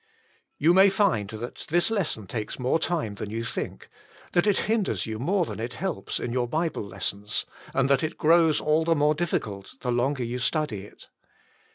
You may find that this lesson takes more time than you think, that it hinders you more than it helps in your Bible lessons, and that it grows all the more difficult the longer you study it.